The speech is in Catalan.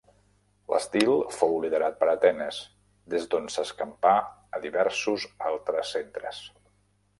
L'estil fou liderat per Atenes, des d'on s'escampà a diversos altres centres.